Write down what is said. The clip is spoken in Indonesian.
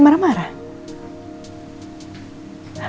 yang tersuterin ini ya essarden